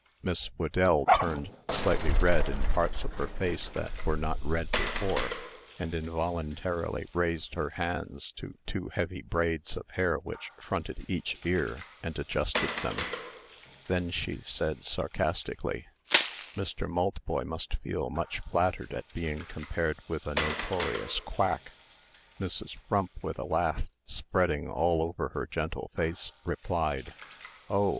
Miss Whedell turned slightly red in parts of her face that were not red before, and involuntarily raised her hands to two heavy braids of hair which fronted each ear, and adjusted them. Then she said, sarcastically: "Mr. Maltboy must feel much flattered at being compared with a notorious quack." Mrs. Frump, with a laugh spreading all over her gentle face, replied: "Oh!